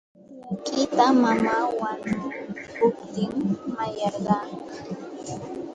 Llakita mamaa wanukuptin mayarqaa.